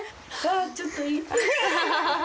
ちょっといい？